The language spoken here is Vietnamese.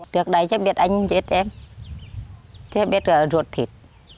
trước đấy chắc biết anh chết em chắc biết ruột thịt